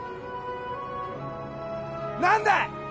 何だい